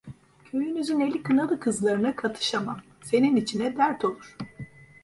Köyünüzün eli kınalı kızlarına katışamam, senin içine dert olur…